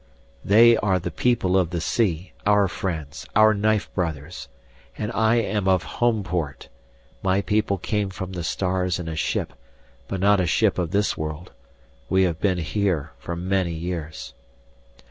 "They are the People of the Sea, our friends, our knife brothers. And I am of Homeport. My people came from the stars in a ship, but not a ship of this world. We have been here for many years."